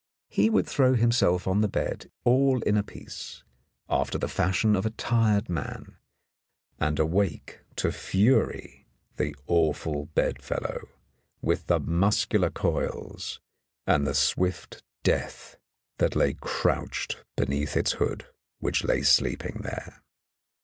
He would throw himself on the bed all in a piece, after the fashion of a tired man, and awake to fury the awful bedfellow, with the muscular coils and the swift death that lay crouched beneath its hood, which lay sleeping there.